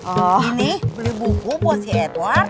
ini beli buku buat si edward